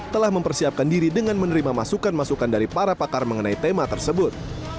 telah mempersiapkan diri dengan menerima masukan masukan dari para pakar mengenai tema tersebut